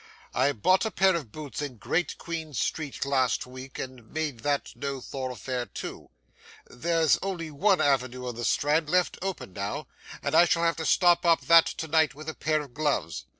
I bought a pair of boots in Great Queen Street last week, and made that no throughfare too. There's only one avenue to the Strand left often now, and I shall have to stop up that to night with a pair of gloves.